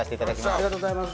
ありがとうございます。